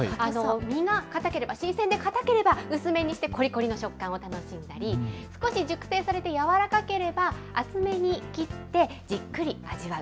身が硬ければ、新鮮で硬ければ薄めにしてこりこりの食感を楽しんだり、少し熟成されて軟らかければ、厚めに切ってじっくり味わう。